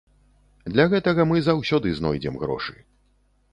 Для гэтага мы заўсёды знойдзем грошы.